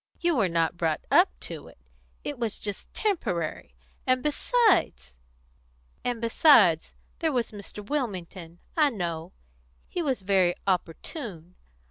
You were not brought up to it; it was just temporary; and besides " "And besides, there was Mr. Wilmington, I know. He was very opportune.